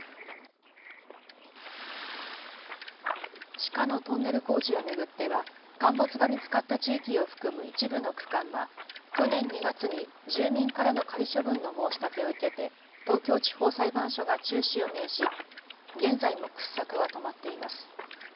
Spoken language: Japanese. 地下のトンネル工事を巡っては陥没が見つかった地域を含む一部の区間は去年２月に住民からの仮処分の申し立てを受けて東京地方裁判所が中止を命じ現在も掘削は止まっています。